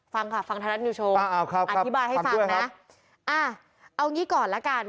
ฟังค่ะฟังท้ายรัฐนิวโชว์อธิบายให้ฟังนะเอาอย่างนี้ก่อนแล้วกัน